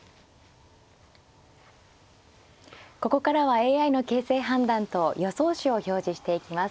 ここからはＡＩの形勢判断と予想手を表示していきます。